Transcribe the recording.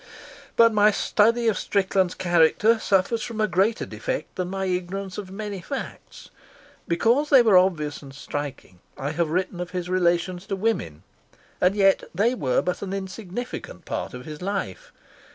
But my study of Strickland's character suffers from a greater defect than my ignorance of many facts. Because they were obvious and striking, I have written of his relations to women; and yet they were but an insignificant part of his life.